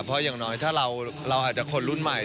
เพราะอย่างน้อยถ้าเราอาจจะคนรุ่นใหม่